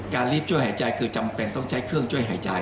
รีบช่วยหายใจคือจำเป็นต้องใช้เครื่องช่วยหายใจ